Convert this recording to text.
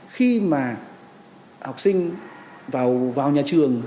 khi mà học sinh vào nhà trường